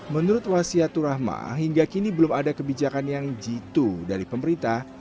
menurut wasiatul rahma hingga kini belum ada kebijakan yang jitu dari pemerintah